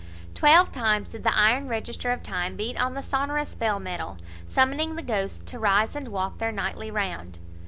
Twelve times did the iron register of time beat on the sonorous bell metal, summoning the ghosts to rise and walk their nightly round.